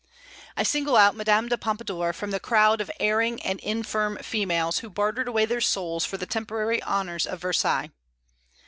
I single out Madame de Pompadour from the crowd of erring and infirm females who bartered away their souls for the temporary honors of Versailles.